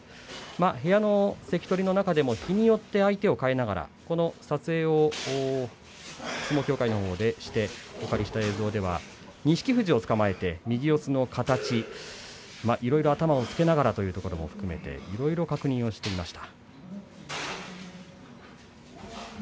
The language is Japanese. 部屋の関取の中でも日によって相手を変えながらこの撮影の日は錦富士をつかまえて右四つの形いろいろ頭をつけながらというところも含めていろいろ確認をしていました。